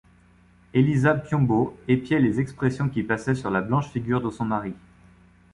Élisa Piombo épiait les expressions qui passaient sur la blanche figure de son mari.